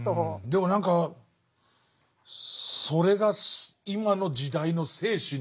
でも何かそれが今の時代の精神なのかなっていう。